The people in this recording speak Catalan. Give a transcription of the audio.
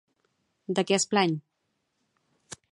De què es plany?